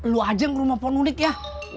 lo aja ke rumah ponunik ya